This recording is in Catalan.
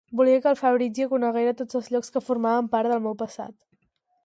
Volia que el Fabrizio coneguera tots els llocs que formaven part del meu passat.